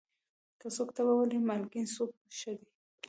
که څوک تبه ولري، مالګین سوپ ښه دی.